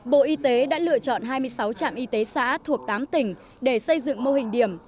bộ y tế đã lựa chọn hai mươi sáu trạm y tế xã thuộc tám tỉnh để xây dựng mô hình điểm